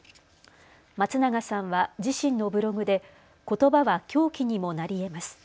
松永さんは自身のブログでことばは凶器にもなりえます。